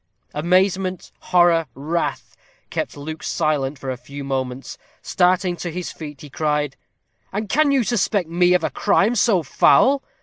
Amazement, horror, wrath, kept Luke silent for a few moments. Starting to his feet, he cried: "And can you suspect me of a crime so foul?